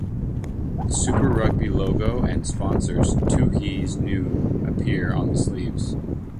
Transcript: The Super Rugby logo and sponsors Tooheys New appear on the sleeves.